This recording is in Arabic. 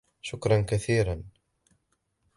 شكراً كثيراً!